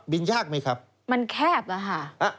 บินยากไหมครับมันแคบนะฮะ